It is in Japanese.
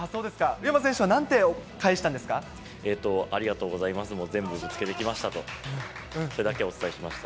宇山選手はなんありがとうございます、もう全部ぶつけてきましたと、それだけはお伝えしました。